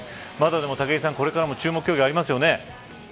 まだ、でも武井さん、これからも注目競技ありますよね。